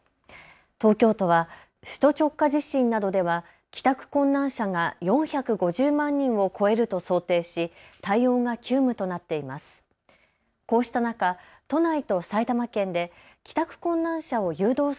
東京都は首都直下地震などでは帰宅困難者が４５０万人を超えると想定し対応が急務となっています。